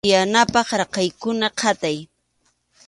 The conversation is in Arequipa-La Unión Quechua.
Tiyanapaq raqaykuna qatay.